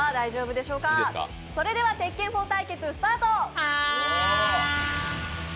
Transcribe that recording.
それでは、「鉄拳４」対決スタート。